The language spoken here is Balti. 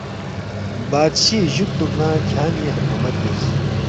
بادشی جُوکتُو نہ کھیان٘ی حکومت بیوس